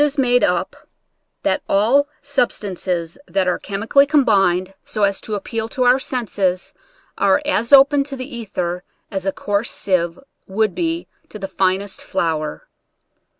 is made up, that all substances that are chemi cally combined so as to appeal to our senses, are as open to the ether as a coarse sieve would be to the finest flour.